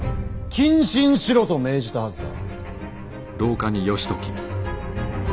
謹慎しろと命じたはずだ。